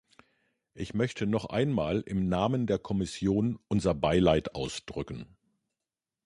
Ich möchte noch einmal im Namen der Kommission unser Beileid ausdrücken.